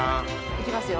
行きますよ。